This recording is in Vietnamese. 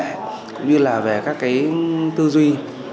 cũng như là về các cái tư duy